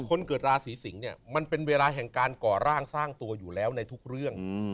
คนเกิดราศีสิงศ์เนี่ยมันเป็นเวลาแห่งการก่อร่างสร้างตัวอยู่แล้วในทุกเรื่อง